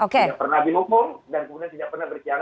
kepada keluarga pki